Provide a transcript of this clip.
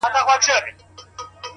نیکه وینا نرم زړونه ګټي’